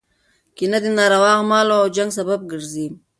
کینه د ناروا اعمالو او جنګ سبب ګرځي.